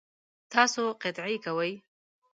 تاسو قطعی کوئ؟